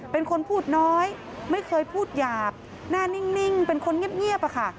เป็นคนพูดน้อยไม่เคยพูดหยาบหน้านิ่งเป็นคนเงียบอะค่ะ